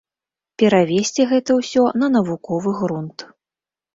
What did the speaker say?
Перавесці гэта ўсё на навуковы грунт.